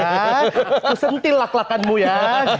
ya aku sentil lak lakanmu ya